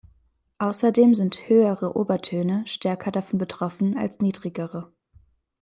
Außerdem sind höhere Obertöne stärker davon betroffen als niedrigere.